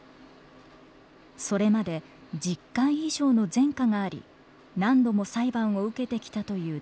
それまで１０回以上の前科があり何度も裁判を受けてきたという男性。